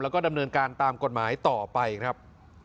แล้วก็ดำเนินการตามกฎหมายต่อไปครับ